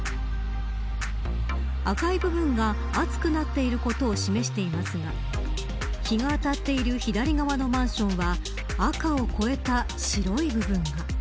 赤い部分が熱くなっていることを示していますが日が当たっている左側のマンションは赤を超えた白い部分が。